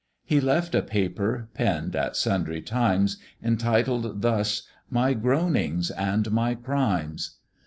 He left a paper, penn'd at sundry times, Entitled thus "My Groanings and my Crimes!"